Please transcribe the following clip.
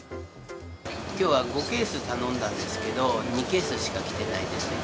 きょうは５ケース頼んだんですけど、２ケースしか来てないです。